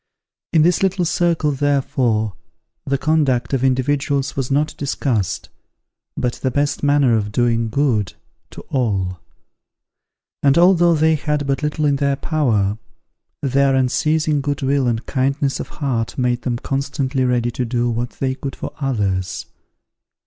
In this little circle, therefore, the conduct of individuals was not discussed, but the best manner of doing good to all; and although they had but little in their power, their unceasing good will and kindness of heart made them constantly ready to do what they could for others.